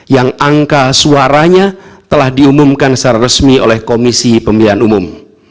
yang angka suaranya telah diumumkan secara resmi oleh komisi pemilihan umum